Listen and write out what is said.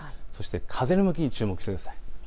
風の向きに注目してください。